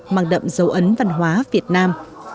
mang đậm dấu ấn văn hóa việt nam